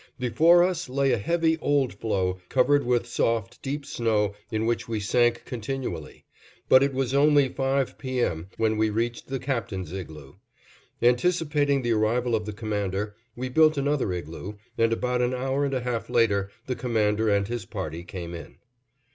Before us lay a heavy, old floe, covered with soft, deep snow in which we sank continually; but it was only five P. M. when we reached the Captain's igloo. Anticipating the arrival of the Commander, we built another igloo, and about an hour and a half later the Commander and his party came in.